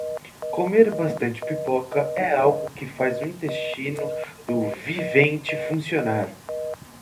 Comer bastante pipoca é algo que faz o intestino do vivente funcionar.